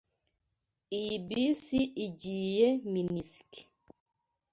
Iyi bisi igiye Minsk.